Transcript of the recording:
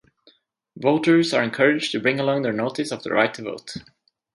Voters are encouraged to bring along their notice of the right to vote.